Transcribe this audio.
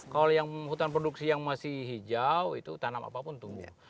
kalau yang hutan produksi yang masih hijau itu tanam apapun tumbuh